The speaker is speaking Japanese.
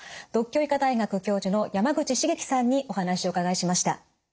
獨協医科大学教授の山口重樹さんにお話をお伺いしました。